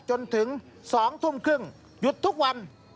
จนถึง๒ทุ่มครึ่งหยุดทุกวัน